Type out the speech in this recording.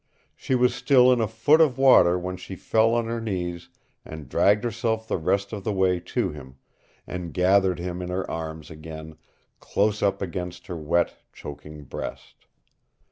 She was still in a foot of water when she fell on her knees and dragged herself the rest of the way to him, and gathered him in her arms again, close up against her wet, choking breast.